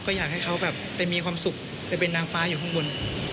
ก็อยากให้เขาแบบไปมีความสุขไปเป็นนางฟ้าอยู่ข้างบน